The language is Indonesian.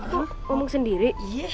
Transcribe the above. kok ngomong sendiri